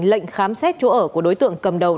lệnh khám xét chỗ ở của đối tượng cầm đầu